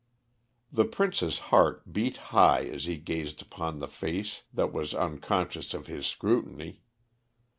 The Prince's heart beat high as he gazed upon the face that was unconscious of his scrutiny.